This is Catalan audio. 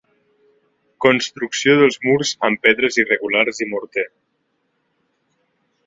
Construcció dels murs amb pedres irregulars i morter.